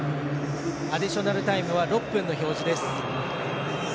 アディショナルタイムは６分です。